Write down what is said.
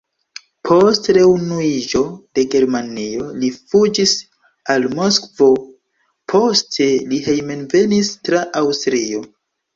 Post reunuiĝo de Germanio, li fuĝis al Moskvo, poste li hejmenvenis tra Aŭstrio.